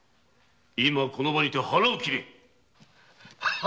今この場にて腹を切れ！